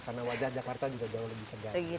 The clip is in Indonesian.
karena wajah jakarta juga jauh lebih segar